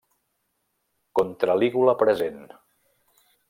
Contra-lígula present.